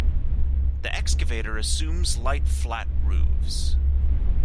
The excavator assumes light flat roofs.